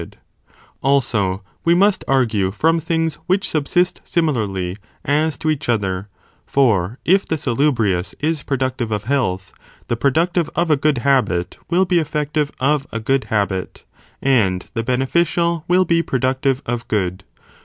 And those Also, (we must argue) from things which sub things also, 78 similarly as to each other ; for if the salubrious mutual similar is productive of health, the productive of a good subsistence. + habit will be effective of a good habit, and the beneficial will be productive of good.